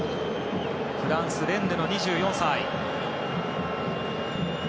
フランス、レンヌの２４歳。